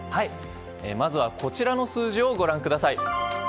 まずは、こちらの数字をご覧ください。